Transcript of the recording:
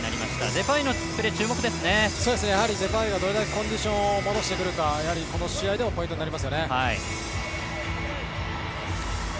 デパイがどれだけコンディションを戻してくるかやはり、この試合ではポイントになりますね。